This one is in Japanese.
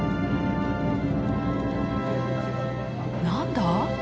何だ？